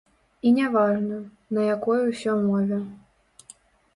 І не важна, на якой усё мове.